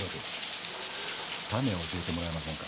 タネを教えてもらえませんか？